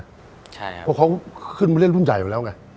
เพราะเขาขึ้นมาเล่นรุ่นใหญ่อยู่แล้วไง